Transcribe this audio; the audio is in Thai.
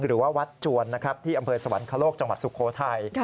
หรือว่าวัดจวนนะครับที่อำเภอสวรรคโลกจังหวัดสุโขทัย